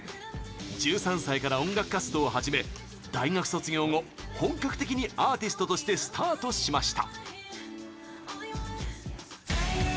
１３歳から音楽活動を始め大学卒業後本格的にアーティストとしてスタートしました。